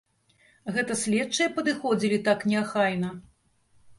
Гэта следчыя падыходзілі так неахайна?